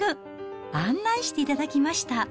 案内していただきました。